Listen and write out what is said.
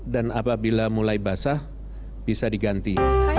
dan apabila mulai basah bisa diganti